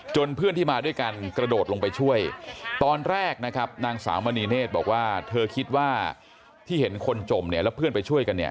เพื่อนที่มาด้วยกันกระโดดลงไปช่วยตอนแรกนะครับนางสาวมณีเนธบอกว่าเธอคิดว่าที่เห็นคนจมเนี่ยแล้วเพื่อนไปช่วยกันเนี่ย